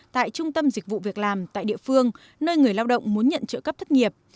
tại trung tâm dịch vụ việc làm tại địa phương nơi người lao động muốn nhận trợ cấp thất nghiệp